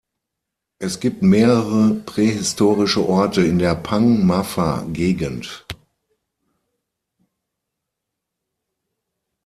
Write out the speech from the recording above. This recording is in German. Es gibt mehrere prähistorische Orte in der Pang-Mapha-Gegend.